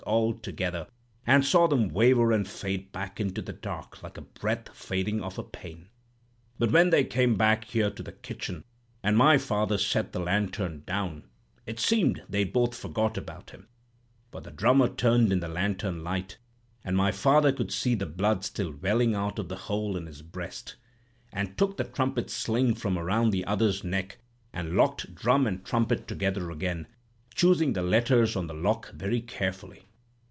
all together, and saw them waver and fade back into the dark, like a breath fading off a pane. "But when they came back here to the kitchen, and my father set the lantern down, it seemed they'd both forgot about him. For the drummer turned in the lantern light—and my father could see the blood still welling out of the hole in his breast—and took the trumpet sling from around the other's neck, and locked drum and trumpet together again, choosing the letters on the lock very carefully.